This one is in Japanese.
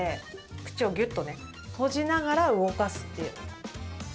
口をぎゅっとね閉じながら動かすという。